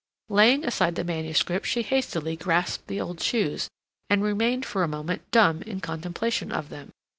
Laying aside the manuscript, she hastily grasped the old shoes, and remained for a moment dumb in contemplation of them.